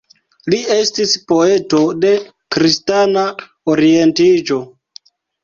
Li estis poeto de kristana orientiĝo.